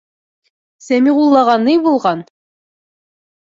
Сәмиғуллаға ни булған?